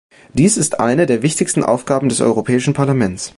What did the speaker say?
Dies ist eine der wichtigsten Aufgaben des Europäischen Parlaments.